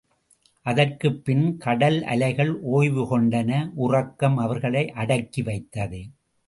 அதற்குப் பின் கடல் அலைகள் ஒய்வு கொண்டன உறக்கம் அவர்களை அடக்கி வைத்தது.